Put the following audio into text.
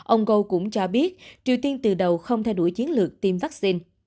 ông good cũng cho biết triều tiên từ đầu không thay đổi chiến lược tiêm vaccine